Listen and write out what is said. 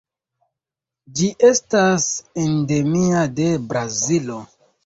Ĝi estas endemia de Brazilo.